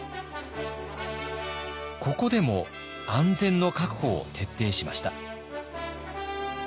ここでも安全の確保を徹底しました。